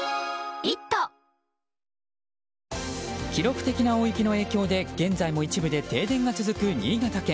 記録的な大雪の影響で現在も一部で停電が続く新潟県。